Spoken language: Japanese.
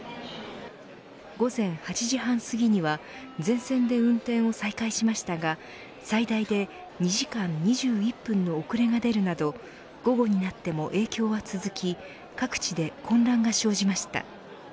午前８時半すぎには全線で運転を再開しましたが最大で２時間２１分の遅れが出るなど午後になっても影響は続き各地で混乱が生じました。